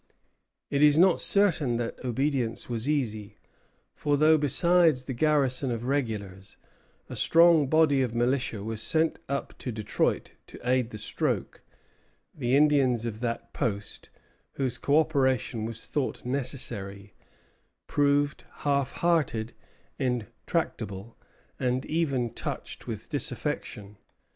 It is not certain that obedience was easy; for though, besides the garrison of regulars, a strong body of militia was sent up to Detroit to aid the stroke, the Indians of that post, whose co operation was thought necessary, proved half hearted, intractable, and even touched with disaffection.